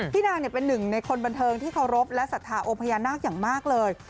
นางเป็นหนึ่งในคนบันเทิงที่เคารพและศรัทธาองค์พญานาคอย่างมากเลย